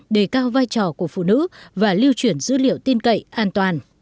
đề cao vai trò của phụ nữ và lưu chuyển dữ liệu tin cậy an toàn